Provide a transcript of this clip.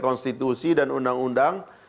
konstitusi dan undang undang